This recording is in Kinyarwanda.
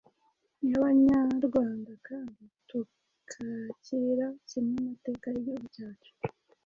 nk’Abanyarwanda kandi tukakira kimwe amateka y’igihugu cyacu.